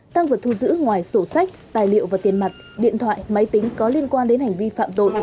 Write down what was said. tăng vật thu giữ ngoài sổ sách tài liệu và tiền mặt điện thoại máy tính có liên quan đến hành vi phạm tội